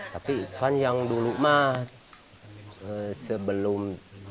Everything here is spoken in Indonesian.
tapi kan yang dulu sebelum dua ribu lima